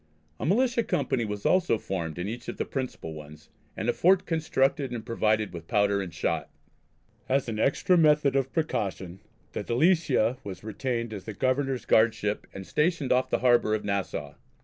A militia company was also formed in each of the principal ones, and a fort constructed and provided with powder and shot. As an extra method of precaution the Delicia was retained as the Governor's guardship and stationed off the harbour of Nassau.